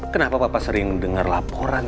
kenapa papa sering denger laporan